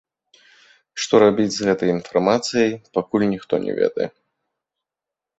Што рабіць з гэтай інфармацыяй, пакуль ніхто не ведае.